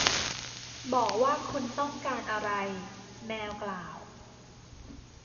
บอกว่าคุณต้องการอะไร แมวกล่าว